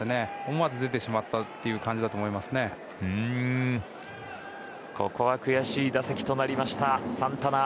思わず手が出てしまった感じだとここは悔しい打席となりましたサンタナ。